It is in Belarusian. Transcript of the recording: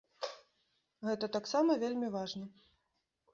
Гэта таксама вельмі важна.